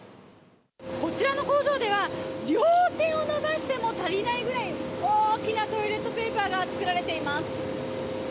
こちらの工場では両手を伸ばしても足りないくらい大きなトイレットペーパーが作られています。